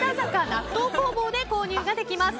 納豆工房で購入ができます。